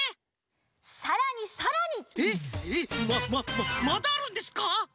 ままだあるんですか？